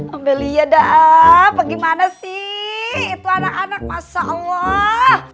ambelia daaa bagaimana sih itu anak anak masya allah